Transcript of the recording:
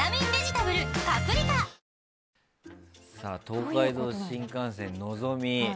東海道新幹線「のぞみ」